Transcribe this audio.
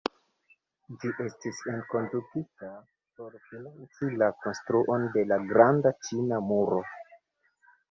Ĝi estis enkondukita por financi la konstruon de la Granda Ĉina Muro.